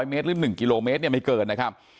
เมตรหรือ๑กิโลเมตรเนี่ยไม่เกินนะครับ